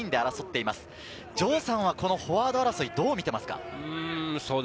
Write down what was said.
城さんはフォワード争いをどう見ていますか？